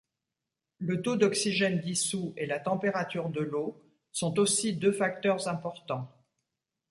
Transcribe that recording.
Le taux d'oxygène dissous et la température de l'eau sont aussi deux facteurs importants.